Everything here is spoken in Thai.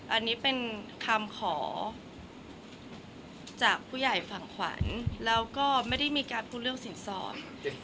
อันนี้เป็นคำขอจากผู้ใหญ่ฝั่งขวัญแล้วก็ไม่ได้มีการพูดเรื่องสินสอด